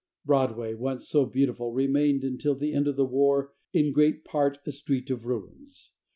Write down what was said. Broadway, once so beautiful, remained until the end of the war in great part a street of ruins.